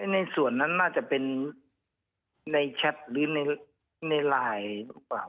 ในส่วนนั้นน่าจะเป็นในแชทหรือในไลน์